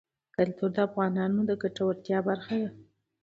کلتور د افغانانو د ګټورتیا برخه ده.